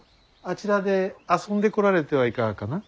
あちらで遊んでこられてはいかがかな。